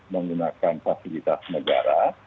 menggunakan fasilitas negara